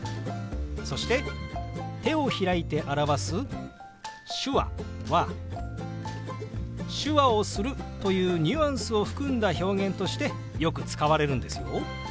そして手を開いて表す「手話」は「手話をする」というニュアンスを含んだ表現としてよく使われるんですよ。